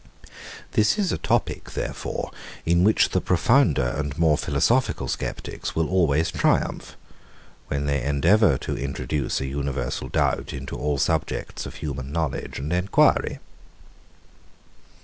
121. This is a topic, therefore, in which the profounder and more philosophical sceptics will always triumph, when they endeavour to introduce an universal doubt into all subjects of human knowledge and enquiry.